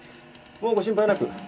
もうご心配なく。